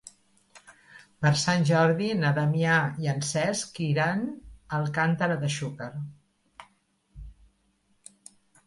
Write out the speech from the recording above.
Per Sant Jordi na Damià i en Cesc iran a Alcàntera de Xúquer.